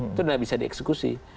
itu sudah bisa dieksekusi